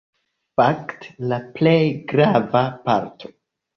Fakte la plej grava parto.